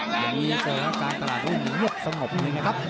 อย่างนี้สถานการณ์ตลาดรุ่นยกสงบเลยนะครับ